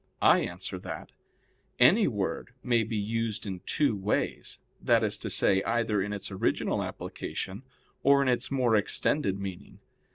I answer that, Any word may be used in two ways that is to say, either in its original application or in its more extended meaning.